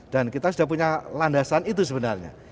dan kita sudah punya landasan itu sebenarnya